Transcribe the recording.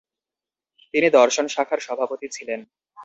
তিনি দর্শন শাখার সভাপতি ছিলেন।